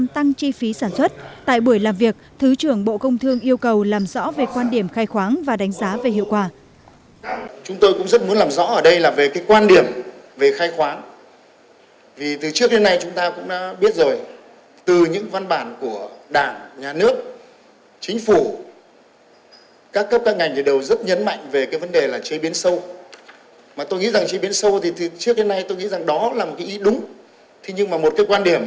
tại buổi làm việc thứ trưởng bộ công thương yêu cầu làm rõ về quan điểm khai khoáng và đánh giá về hiệu quả